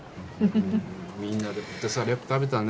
みんなでポテサラよく食べたね。